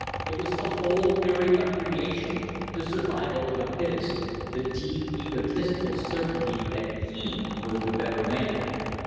It was the whole theory of creation the survival of the fittest the deep, egotistical certainty that he was the better man.